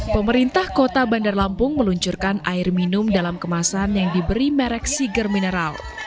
pemerintah kota bandar lampung meluncurkan air minum dalam kemasan yang diberi merek siger mineral